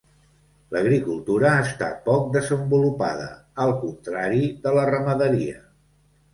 L'agricultura està poc desenvolupada, al contrari de la ramaderia.